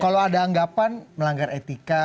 kalau ada anggapan melanggar etika